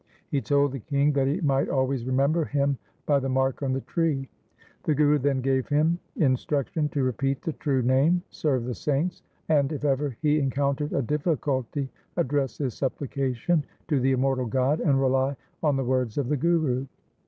He told the king that he might always remember him by the mark on the tree. The Guru then gave him in struction to repeat the true Name, serve the saints, and, if ever he encountered a difficulty, address his supplication to the immortal God and rely on the words of the Guru.